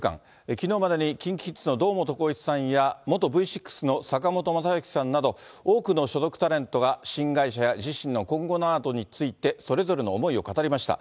昨日までにＫｉｎＫｉＫｉｄｓの堂本光一さんや元Ｖ６の坂本昌行さんなど多くの所属タレントが、新会社や自身の今後などについて、それぞれの思いを語りました。